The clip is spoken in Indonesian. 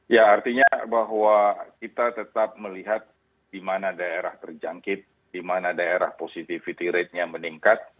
ya artinya bahwa kita tetap melihat di mana daerah terjangkit di mana daerah positivity ratenya meningkat